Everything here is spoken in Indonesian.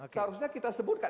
seharusnya kita sebutkan